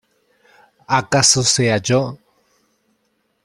¡ acaso sea yo!...